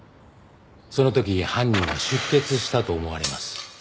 その時犯人は出血したと思われます。